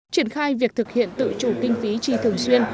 triển khai việc thực hiện tự chủ kinh phí chi thường xuyên